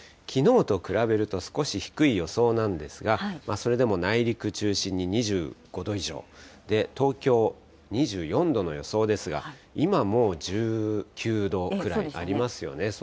きのうと比べると少し低い予想なんですが、それでも内陸中心に２５度以上、東京２４度の予想ですが、今もう１９度くらいありますよね。